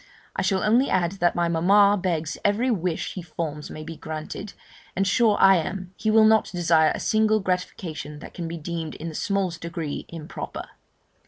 I shall only add, that my mamma begs every wish he forms may be granted, and sure I am, he will not desire a single gratification that can be deemed in the smallest degree improper.